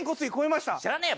知らねえよ。